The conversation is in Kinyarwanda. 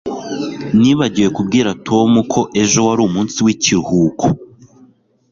Nibagiwe kubwira Tom ko ejo wari umunsi w'ikiruhuko.